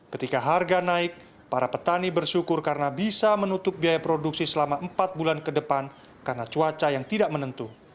ketika harga naik para petani bersyukur karena bisa menutup biaya produksi selama empat bulan ke depan karena cuaca yang tidak menentu